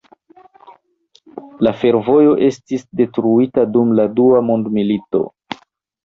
La fervojo estis detruita dum la Dua Mondmilito.